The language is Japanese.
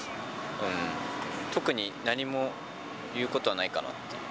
特に何も言うことはないかなっていう。